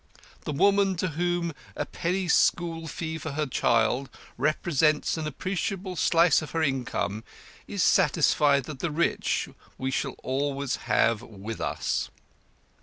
The woman, to whom a penny school fee for her child represents an appreciable slice of her income, is satisfied that the rich we shall always have with us.